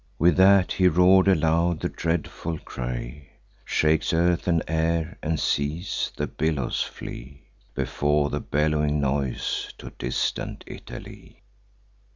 With that he roar'd aloud: the dreadful cry Shakes earth, and air, and seas; the billows fly Before the bellowing noise to distant Italy.